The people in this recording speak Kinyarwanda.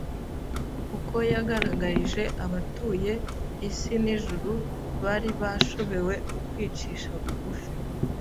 kuko yagaragarije abatuye isi n’ijuru bari bashobewe ukwicisha bugufi